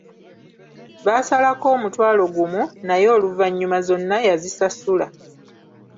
Baasalako omutwalo gumu, naye oluvannyuma zonna yazisasula.